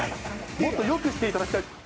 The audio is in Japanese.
もっとよくしていただきたい。